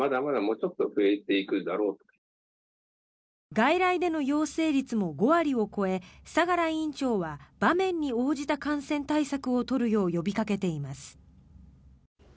外来での陽性率も５割を超え相良院長は場面に応じた感染対策を取るよう呼びかけています。